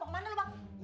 mau ke mana lu bang